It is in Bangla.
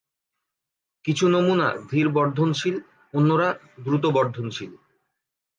কিছু নমুনা ধীর-বর্ধনশীল, অন্যরা দ্রুত বর্ধনশীল।